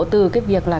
từ cái việc là